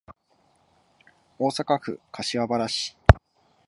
大阪府柏原市